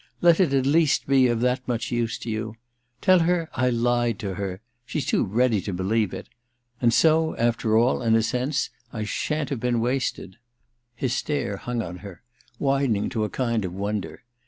Let it at least be of that much use to you. Tell her Ij lied to her — she's too ready to believe it ! And so, after all, in a sense, I shan't have been wasted.' His stare hung on her, widening to a kind of wonder.